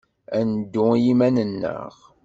Ad neddu i yiman-nneɣ.